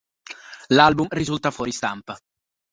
L'album risulta fuori stampa.